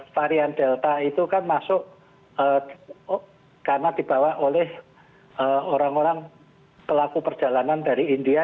varian delta itu kan masuk karena dibawa oleh orang orang pelaku perjalanan dari india